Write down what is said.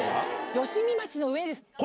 吉見町の上です。